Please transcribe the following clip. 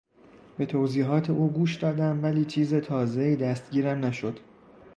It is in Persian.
به توضیحات او گوش دادم ولی چیز تازهای دستگیرم نشد.